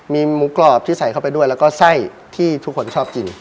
มีหมูกรอบที่ใส่เข้าไปด้วยแล้วก็ไส้ที่ทุกคนชอบกิน